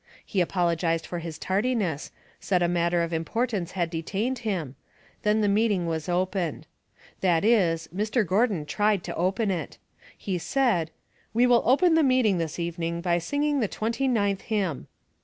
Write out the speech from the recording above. He apologized for his tardiness, said a matter of importance had detained him ; then the meeting was opened. That is, Mr. Gordon tiied to open it. He said, " We will open the meeting this evening by singing the twenty ninth hymn."